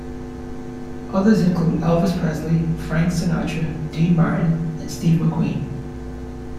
Others include Elvis Presley, Frank Sinatra, Dean Martin, and Steve McQueen.